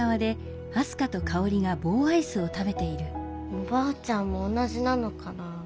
おばあちゃんも同じなのかな？